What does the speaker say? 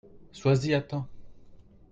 Sois-y à temps !